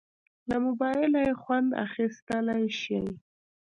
له موبایله خوند اخیستیلی شې.